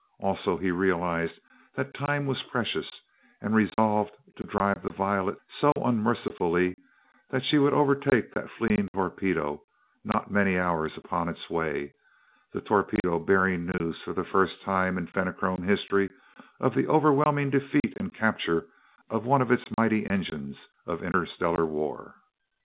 Also, he realized that time was precious, and resolved to drive the Violet so unmercifully that she would overtake that fleeing torpedo, now many hours upon its way the torpedo bearing news, for the first time in Fenachrone history, of the overwhelming defeat and capture of one of its mighty engines of interstellar war.